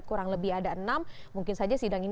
kurang lebih ada enam mungkin saja sidang ini